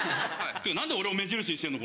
何で俺を目印にしてんの？